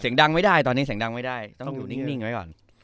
เสียงดังไม่ได้ตอนนี้เสียงดังไม่ได้ต้องอยู่นิ่งไว้ก่อน